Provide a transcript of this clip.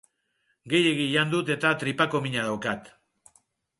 Gehiegi jan dut eta tripako mina daukat